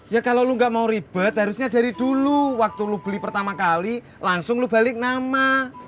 ya kalau lo gak mau ribet harusnya dari dulu waktu lu beli pertama kali langsung lu balik nama